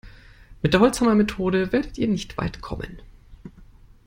Mit der Holzhammermethode werdet ihr nicht weit kommen.